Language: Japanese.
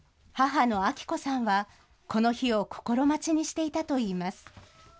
母の亜希子さんは、この日を心待ちにしていたといいます。